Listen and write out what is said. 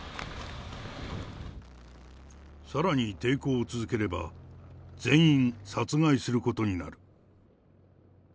さらに抵抗を続ければ、全員、殺害することになる。